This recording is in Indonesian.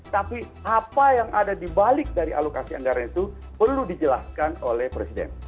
tapi apa yang ada dibalik dari alokasi anggaran itu perlu dijelaskan oleh presiden